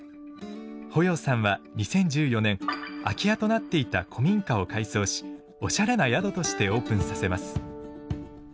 保要さんは２０１４年空き家となっていた古民家を改装しおしゃれな宿としてオープンさせます。